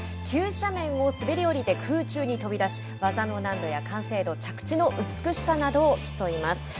急斜面を滑り降りて空中に飛び出し技の難度や完成度着地の美しさなどを競います。